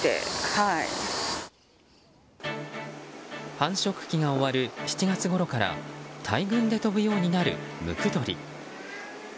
繁殖期が終わる７月ごろから大群で飛ぶようなるムクドリ。